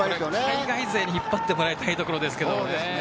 海外勢に引っ張ってもらいたいところです。